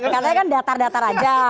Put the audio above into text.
katanya kan datar datar aja